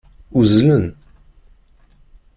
Uzzlen.